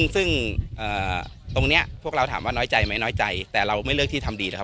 ซึ่งตรงนี้พวกเราถามว่าน้อยใจไหมน้อยใจแต่เราไม่เลือกที่ทำดีนะครับ